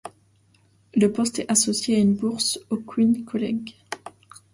Le poste est associé à une bourse au Queen's College.